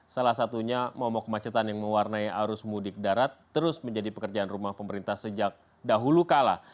salah satunya momok kemacetan yang mewarnai arus mudik darat terus menjadi pekerjaan rumah pemerintah sejak dahulu kala